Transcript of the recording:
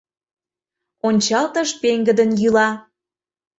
Ончалтыш пеҥгыдын йӱла.